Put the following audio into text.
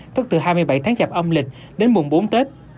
thất từ hai mươi bảy tháng chạp âm lịch đến buổi bốn tết